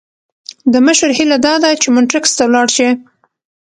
د مشر هیله داده چې مونټریکس ته ولاړ شي.